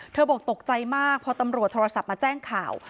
บอกตกใจมากพอตำรวจโทรศัพท์มาแจ้งข่าว